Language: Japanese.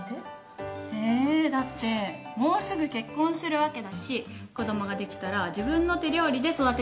えだってもうすぐ結婚するわけだし子供ができたら自分の手料理で育てたいじゃん。